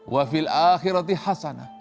wa fil akhirati hasanah